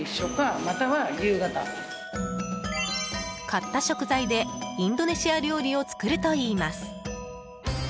買った食材でインドネシア料理を作るといいます。